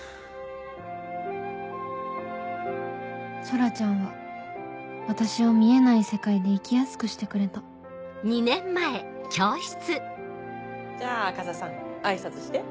空ちゃんは私を見えない世界で生きやすくしてくれたじゃあ赤座さんあいさつして。